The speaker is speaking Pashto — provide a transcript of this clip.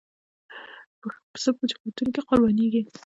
پسه په جوماتونو کې قرباني کېږي.